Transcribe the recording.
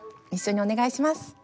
一緒にお願いします。